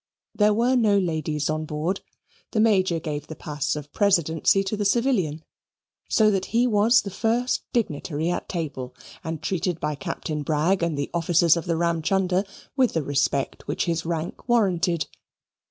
There were no ladies on board; the Major gave the pas of precedency to the civilian, so that he was the first dignitary at table, and treated by Captain Bragg and the officers of the Ramchunder with the respect which his rank warranted.